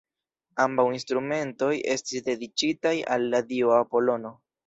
Ambaŭ instrumentoj estis dediĉitaj al la dio Apolono.